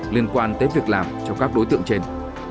liên quan tới việc làm cho các đối tượng trên